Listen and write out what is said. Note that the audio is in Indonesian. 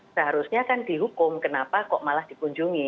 seharusnya kan dihukum kenapa kok malah dikunjungi